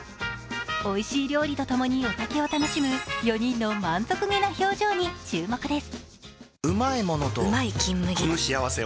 おいしい料理と共にお酒を楽しむ４人の満足げな表情に注目です。